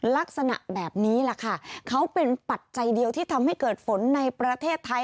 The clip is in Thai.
ลักษณะแบบนี้แหละค่ะเขาเป็นปัจจัยเดียวที่ทำให้เกิดฝนในประเทศไทย